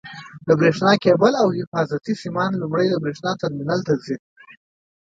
د برېښنا کېبل او حفاظتي سیمان لومړی د برېښنا ټرمینل ته ځي.